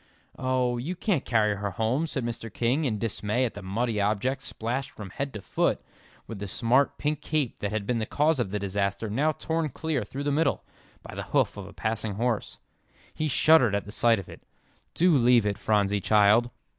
"Oh, you can't carry her home," said Mr. King, in dismay at the muddy object splashed from head to foot, with the smart pink cape that had been the cause of the disaster, now torn clear through the middle, by the hoof of a passing horse. He shuddered at the sight of it. "Do leave it, Phronsie, child."